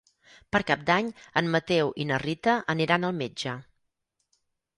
Per Cap d'Any en Mateu i na Rita aniran al metge.